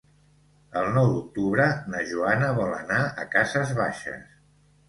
El nou d'octubre na Joana vol anar a Cases Baixes.